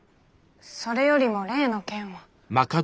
それよりも例の件は。